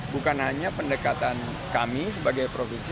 bukan hanya pendekatan kami sebagai provinsi